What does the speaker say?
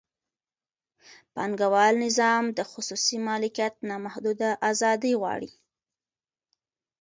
پانګوال نظام د خصوصي مالکیت نامحدوده ازادي غواړي.